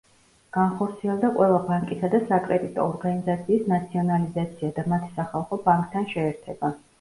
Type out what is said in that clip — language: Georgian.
განხორციელდა ყველა ბანკისა და საკრედიტო ორგანიზაციის ნაციონალიზაცია და მათი სახალხო ბანკთან შეერთება.